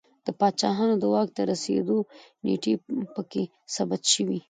د پاچاهانو د واک ته رسېدو نېټې په کې ثبت شوې